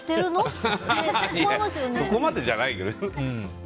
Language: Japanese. ってそこまでじゃないけどね。